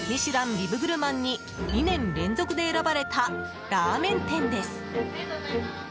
ビブグルマンに２年連続で選ばれたラーメン店です。